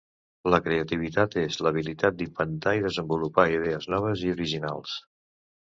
La creativitat és l'habilitat d'inventar i desenvolupar idees noves i originals.